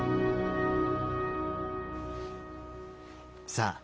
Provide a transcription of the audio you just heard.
さあ